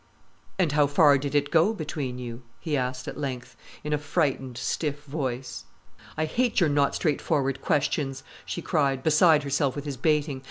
"And how far did it go between you?" he asked at length, in a frightened, stiff voice. "I hate your not straightforward questions," she cried, beside herself with his baiting.